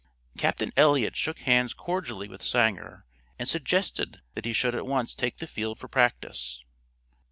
Captain Eliot shook hands cordially with Sanger, and suggested that he should at once take the field for practice.